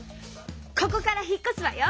ここから引っこすわよ。